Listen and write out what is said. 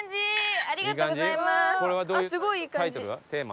テーマ？